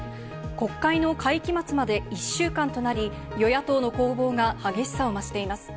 国会の会期末まで１週間となり、与野党の攻防が激しさをましています。